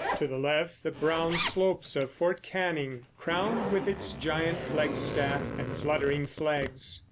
To the left the brown slopes of Fort Canning, crowned with its giant flagstaff and fluttering flags.